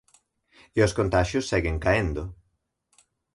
E os contaxios seguen caendo.